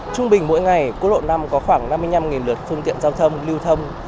trung bình mỗi ngày quốc lộ năm có khoảng năm mươi năm lượt phương tiện giao thông lưu thông